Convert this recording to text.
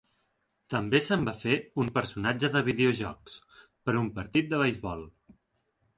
També se'n va fer un personatge de videojocs per un partit de beisbol.